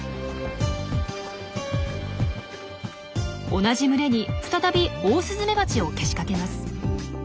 同じ群れに再びオオスズメバチをけしかけます。